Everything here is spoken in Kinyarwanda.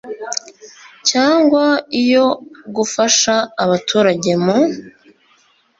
Cyangwa iyo gufasha abaturage mu